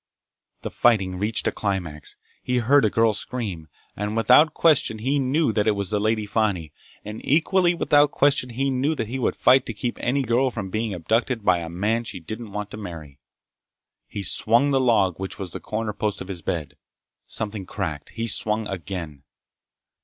The fighting reached a climax. He heard a girl scream, and without question knew that it was the Lady Fani, and equally without question knew that he would fight to keep any girl from being abducted by a man she didn't want to marry. He swung the log which was the corner post of his bed. Something cracked. He swung again.